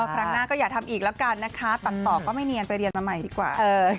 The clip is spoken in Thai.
ครั้งหน้าก็อย่าทำอีกแล้วกันนะคะตัดต่อก็ไม่เนียนไปเรียนมาใหม่ดีกว่า